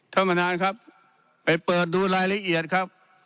ท่านประธานครับไปเปิดดูรายละเอียดครับ